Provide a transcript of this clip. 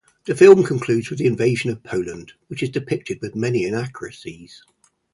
The film concludes with the Invasion of Poland, which is depicted with many inaccuracies.